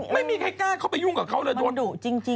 ไม่มีใครกล้าเข้าไปยุ่งกับเขาเลยโดนดุจริง